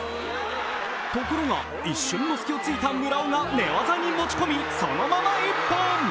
ところが一瞬の隙を突いた村尾が寝技に持ち込み、そのまま一本。